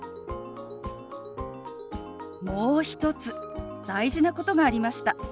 もう一つ大事なことがありました。